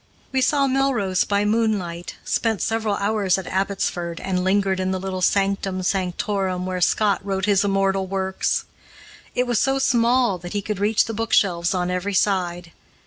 We saw Melrose by moonlight, spent several hours at Abbotsford, and lingered in the little sanctum sanctorum where Scott wrote his immortal works. It was so small that he could reach the bookshelves on every side.